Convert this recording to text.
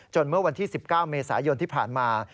เมื่อวันที่๑๙เมษายนที่ผ่านมา